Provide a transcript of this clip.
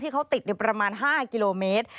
ที่เขาติดประมาณ๕กิโลเมตร